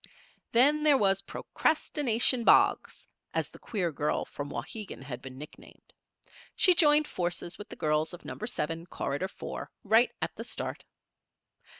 Then there was "Procrastination Boggs," as the queer girl from Wauhegan had been nicknamed. She joined forces with the girls of Number Seven, Corridor Four, right at the start.